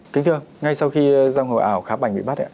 kính thưa ngay sau khi giang hồ ảo khá bảnh bị bắt